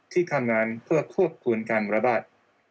ที่ทำงานเพื่อควบคุมการระบาด